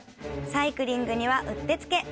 サイクリングにはうってつけ！